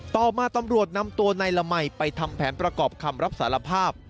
ต่อมาตำรวจนำตัวนายละมัยไปทำแผนประกอบคำรับสารภาพ